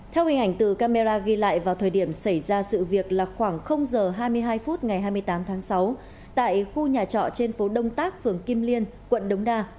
theo hình ảnh từ camera ghi lại vào thời điểm xảy ra sự việc là khoảng giờ hai mươi hai phút ngày hai mươi tám tháng sáu tại khu nhà trọ trên phố đông tác phường kim liên quận đống đa